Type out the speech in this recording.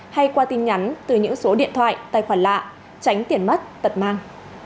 hay qua tin nhắn từ những số điện thoại tài khoản lạ tránh tiền mất tật mang